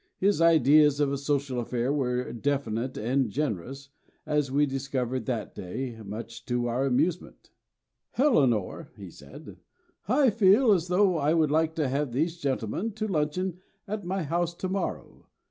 His ideas of a social affair were definite and generous, as we discovered that day, much to our amusement. "Eleanor," he said, "I feel as though I would like to have these gentlemen to luncheon at my house to morrow.